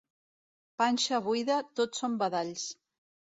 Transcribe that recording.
Panxa buida, tot són badalls.